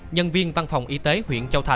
nhân viên văn phòng y tế huyện châu thành